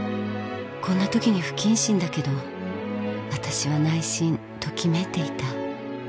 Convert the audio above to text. こんな時に不謹慎だけど私は内心ときめいていた